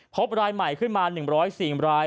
พบรายใหม่ขึ้นมา๑๐๔ราย